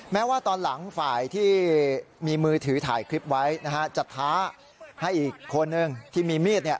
แม้ว่าตอนหลังฝ่ายที่มีมือถือถ่ายคลิปไว้นะฮะจะท้าให้อีกคนนึงที่มีมีด